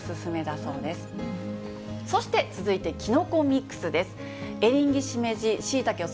そして続いてキノコミックスです。